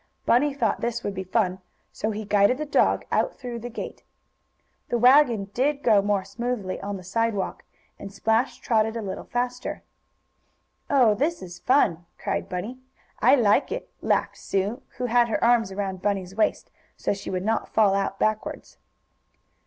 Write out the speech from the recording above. Bunny thought this would be fun, so he guided the dog out through the gate. The wagon did go more smoothly on the sidewalk, and Splash trotted a little faster. "Oh, this is fun!" cried Bunny. "I like it!" laughed Sue, who had her arms around Bunny's waist, so she would not fall out backwards.